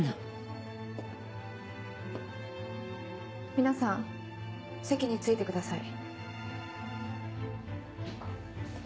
皆さん席に着いてください。